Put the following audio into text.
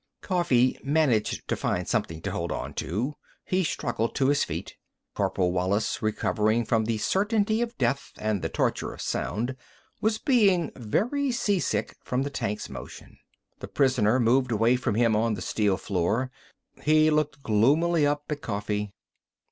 Coffee managed to find something to hold on to. He struggled to his feet. Corporal Wallis, recovering from the certainty of death and the torture of sound, was being very sea sick from the tank's motion. The prisoner moved away from him on the steel floor. He looked gloomily up at Coffee.